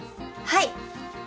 はい。